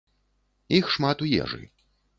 Іх шмат у ежы.